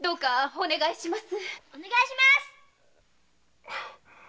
お願いします。